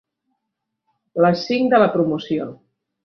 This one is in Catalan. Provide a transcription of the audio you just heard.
La cinc de la promoció.